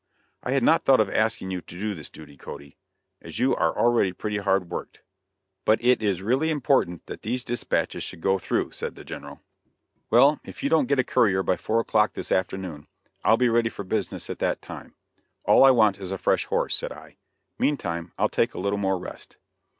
"I had not thought of asking you to do this duty, Cody, as you are already pretty hard worked. But it is really important that these dispatches should go through," said the General. "Well, if you don't get a courier by four o'clock this afternoon, I'll be ready for business at that time. All I want is a fresh horse," said I; "meantime I'll take a little more rest."